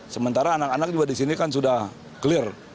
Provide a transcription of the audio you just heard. sementara anak anak juga di sini kan sudah clear